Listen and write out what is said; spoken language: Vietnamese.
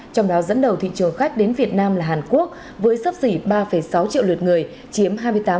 trong đó dẫn đầu thị trường khách đến việt nam là hàn quốc với sấp xỉ ba sáu triệu lượt người chiếm hai mươi tám